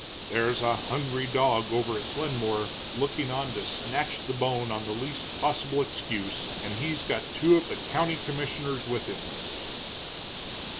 There's a hungry dog over at Glenmore looking on to snatch the bone on the least possible excuse, and he's got two of the county commissioners with him."